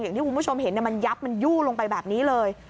อย่างที่คุณผู้ชมเห็นมันยับมันยู่ลงไปแบบนี้เลย